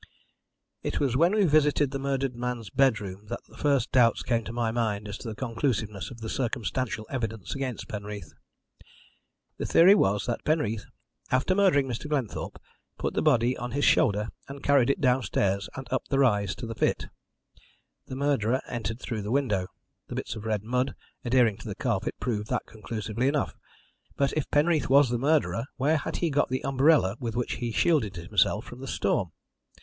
"It was when we visited the murdered man's bedroom that the first doubts came to my mind as to the conclusiveness of the circumstantial evidence against Penreath. The theory was that Penreath, after murdering Mr. Glenthorpe, put the body on his shoulder, and carried it downstairs and up the rise to the pit. The murderer entered through the window the bits of red mud adhering to the carpet prove that conclusively enough but if Penreath was the murderer where had he got the umbrella with which he shielded himself from the storm?